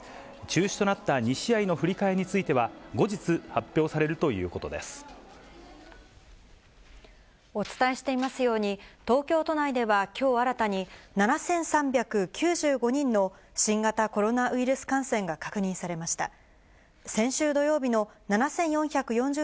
中止となった２試合の振り替えについては、後日発表されるというお伝えしていますように、東京都内ではきょう新たに、７３９５人の新型コロナウイルス感染が確認されました。